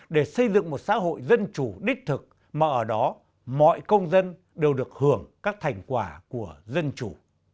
để xây dựng một xã hội dân chủ đích thực mà ở đó mọi công dân đều được hưởng các thành quả của dân chủ